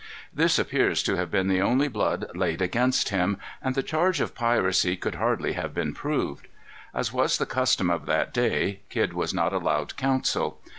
"This appears to have been the only blood laid against him; and the charge of piracy could hardly have been proved. As was the custom of that day, Kidd was not allowed counsel.